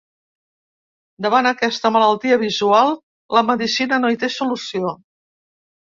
Davant aquesta malaltia visual, la medicina no hi té solució.